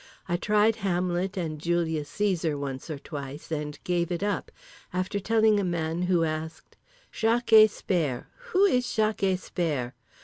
I tried Hamlet and Julius Caesar once or twice, and gave it up, after telling a man who asked "Shah kay spare, who is Shah kay spare?"